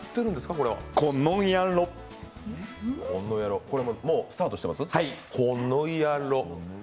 これ、もうスタートしてます？